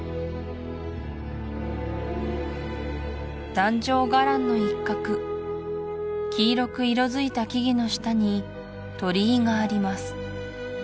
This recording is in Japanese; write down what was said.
壇上伽藍の一角黄色く色づいた木々の下に鳥居があります